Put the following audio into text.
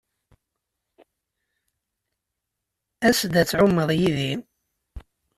As-d ad tɛummeḍ yid-i.